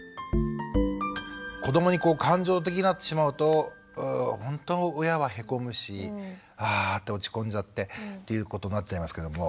子どもに感情的になってしまうとほんと親はへこむしあって落ち込んじゃってっていうことになっちゃいますけども。